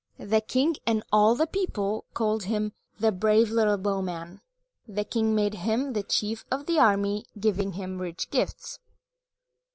The king and all the people called him "the brave little bowman." The king made him the chief of the army, giving him rich gifts.